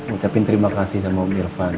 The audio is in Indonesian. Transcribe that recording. ucapin terima kasih sama om irfan